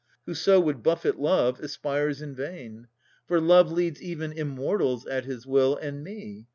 Whoso would buffet Love, aspires in vain. For Love leads even Immortals at his will, And me.